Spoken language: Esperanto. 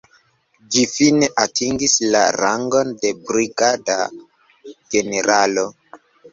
Ĝi fine atingis la rangon de brigada generalo.